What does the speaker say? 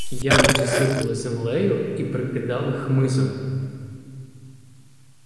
Яму засипали землею і прикидали хмизом.